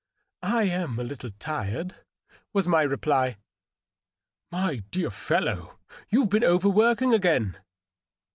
" I am a little tired,'' was my reply. " My dear fellow, you've been overworking again."